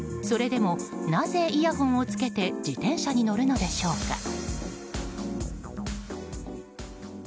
それでも、なぜイヤホンをつけて自転車に乗るのでしょうか。